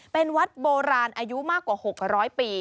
เป็นวัดโบราณอายุมากกว่า๖๐๐ปี